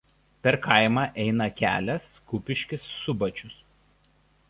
Per kaimą eina kelias Kupiškis–Subačius.